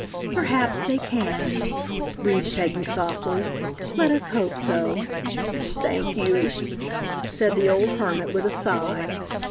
"Perhaps they can," breathed Peggy, softly; "let us hope so." "Thank you," said the old hermit, with a sigh.